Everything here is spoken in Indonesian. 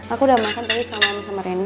aku udah makan tapi sama sama sama rena